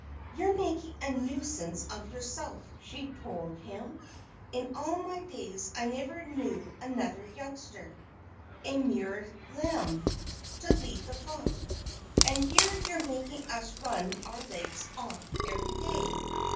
"You're making a nuisance of yourself," she told him. "In all my days I never knew another youngster a mere lamb! to lead the flock. And here you're making us run our legs off every day!